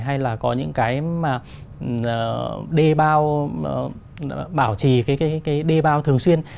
hay là có những cái mà bảo trì cái đê bao thường xuyên